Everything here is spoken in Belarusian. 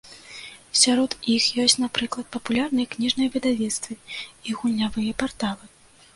Сярод іх ёсць, напрыклад, папулярныя кніжныя выдавецтвы і гульнявыя парталы.